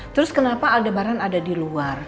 terus kenapa aldebaran ada di luar